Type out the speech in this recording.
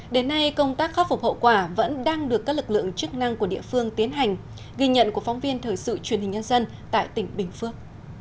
đến nay công tác khắc phục hậu quả vẫn đang được các lực lượng chức năng của địa phương tiến hành ghi nhận của phóng viên thời sự truyền hình nhân dân tại tỉnh bình phước